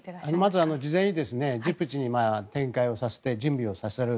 まず事前にジブチに展開をさせて準備をさせる。